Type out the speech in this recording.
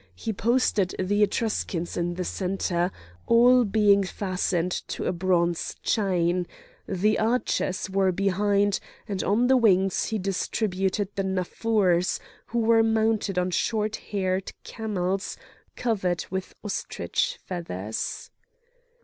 He posted the Etruscans in the centre, all being fastened to a bronze chain; the archers were behind, and on the wings he distributed the Naffurs, who were mounted on short haired camels, covered with ostrich feathers.